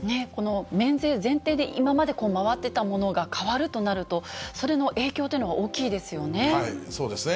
免税前提で今まで回ってたものが変わるとなると、それの影響そうですね。